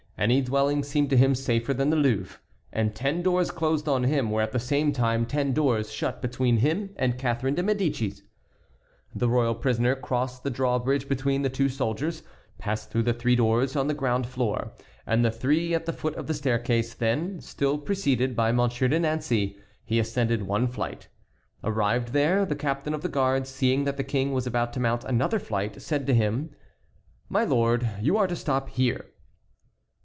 Any dwelling seemed to him safer than the Louvre, and ten doors closed on him were at the same time ten doors shut between him and Catharine de Médicis. The royal prisoner crossed the drawbridge between two soldiers, passed through the three doors on the ground floor and the three at the foot of the staircase; then, still preceded by Monsieur de Nancey, he ascended one flight. Arrived there, the captain of the guards, seeing that the king was about to mount another flight, said to him: "My lord, you are to stop here."